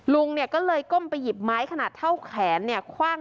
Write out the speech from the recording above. ลุงก็เลยก้มไปหยิบไม้ขนาดเท่าแขน